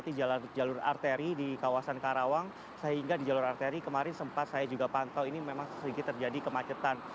di jalur arteri di kawasan karawang sehingga di jalur arteri kemarin sempat saya juga pantau ini memang sedikit terjadi kemacetan